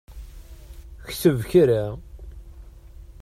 Kteb kra!